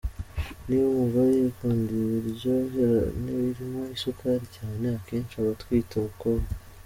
Niba umugore yikundiye ibiryohera n’ibirimo isukari cyane, akenshi aba atwite umukobwa.